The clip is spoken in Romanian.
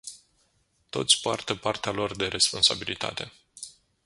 Toți poartă partea lor de responsabilitate.